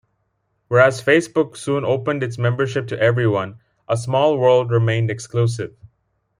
Whereas Facebook soon opened its membership to everyone, A Small World remained exclusive.